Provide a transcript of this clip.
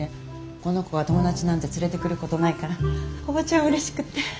この子が友達なんて連れてくることないからおばちゃんうれしくって。